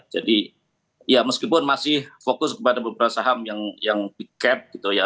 jadi ya meskipun masih fokus kepada beberapa saham yang di cap gitu ya